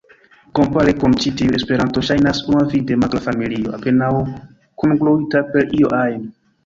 Kompare kun ĉi tiuj, Esperanto ŝajnas unuavide magra familio apenaŭ kungluita per io ajn.